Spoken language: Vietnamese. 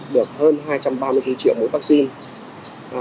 được hơn hai trăm ba mươi triệu mỗi vaccine